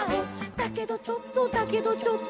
「だけどちょっとだけどちょっと」